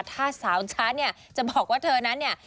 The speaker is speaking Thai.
ถ้าสาวช้าเนี่ยจะบอกว่าเธอนั้นเนี่ย